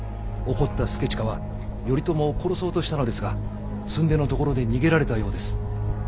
怒った祐親は頼朝を殺そうとしたのですがすんでのところで逃げられたようです。